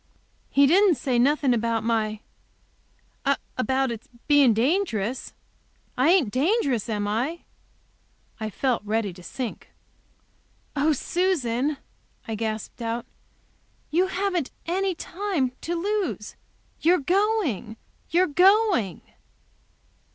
"He didn't say nothing about my about it being dangerous? I ain't dangerous, am I?" I felt ready to sink. "Oh Susan!" I gasped out; "you haven't any time to lose. You're going, you're going!"